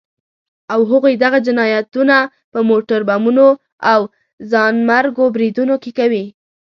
او هغوی دغه جنايتونه په موټر بمونو او ځانمرګو بريدونو کې کوي.